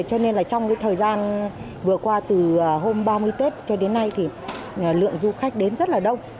cho nên là trong cái thời gian vừa qua từ hôm ba mươi tết cho đến nay thì lượng du khách đến rất là đông